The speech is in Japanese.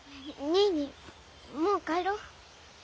ニーニーもう帰ろう。